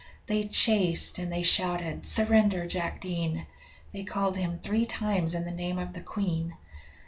They chased, and they shouted, 'Surrender, Jack Dean!' They called him three times in the name of the Queen.